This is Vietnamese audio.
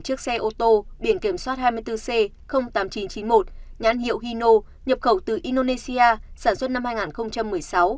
chiếc xe ô tô biển kiểm soát hai mươi bốn c tám nghìn chín trăm chín mươi một nhãn hiệu hyo nhập khẩu từ indonesia sản xuất năm hai nghìn một mươi sáu